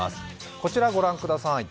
こちらご覧ください